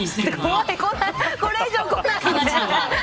怖い、これ以上来ないで。